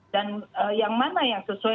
dan yang mana yang sesuai